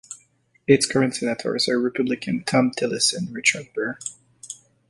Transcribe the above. Its current senators are Republicans Thom Tillis and Richard Burr.